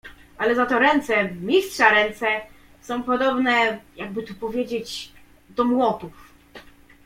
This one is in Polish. "Ale zato ręce... Mistrza ręce są podobne, jakby tu powiedzieć, do młotów."